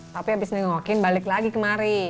tapi abis nengokin balik lagi kemari